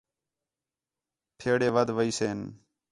پھیڑے ودھ ویسین